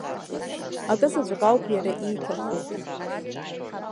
Акызаҵәык ауп иара ииҭаху.